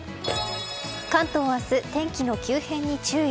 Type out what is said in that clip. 関東明日、天気の急変に注意。